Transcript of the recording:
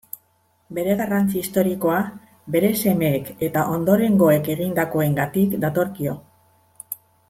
Bere garrantzi historikoa bere semeek eta ondorengoek egindakoengatik datorkio.